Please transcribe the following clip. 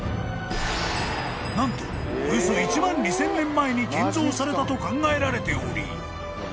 ［何とおよそ１万２，０００年前に建造されたと考えられており］